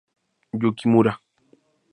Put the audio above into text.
Yu Kimura